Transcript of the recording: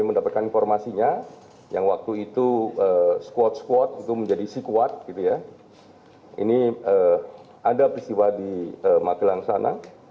berita terkini mengenai penyelidikan